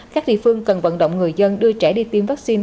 các địa phương cần vận động người dân đưa trẻ đi tiêm vaccine